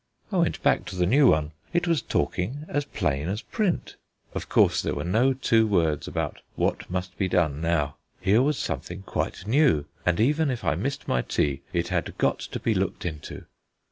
I went back to the new one: it was talking as plain as print. Of course there were no two words about what must be done now. Here was something quite new, and even if I missed my tea, it had got to be looked into.